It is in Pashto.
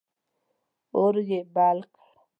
اور یې بل کړ.